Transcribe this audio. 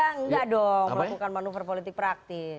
ini bukan manuver politik praktik